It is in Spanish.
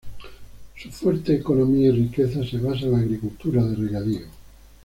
Su fuerte economía y riqueza se basa en la agricultura de regadío.